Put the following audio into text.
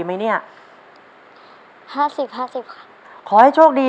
ตัวเลือกที่๔รสชนต้นไม้